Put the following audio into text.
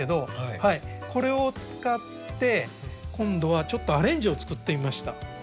これを使って今度はちょっとアレンジを作ってみました。